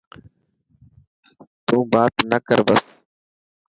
تون بات نه ڪر بس.